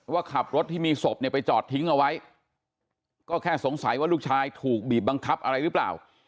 ว่าขับรถที่มีศพเนี่ยไปจอดทิ้งเอาไว้ก็แค่สงสัยว่าลูกชายถูกบีบบังคับอะไรหรือเปล่า